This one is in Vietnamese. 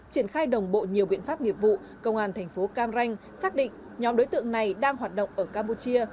triển khai đồng bộ nhiều biện pháp nghiệp vụ công an thành phố cam ranh xác định nhóm đối tượng này đang hoạt động ở campuchia